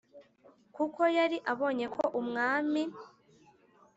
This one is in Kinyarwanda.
kuko yari abonye ko umwamim